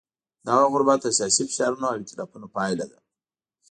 دغه غربت د سیاسي فشارونو او ایتلافونو پایله ده.